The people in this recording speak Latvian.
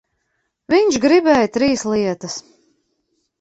Viņš gribēja trīs lietas.